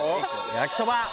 焼きそば。